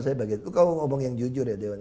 saya bagian itu kau ngomong yang jujur ya dewan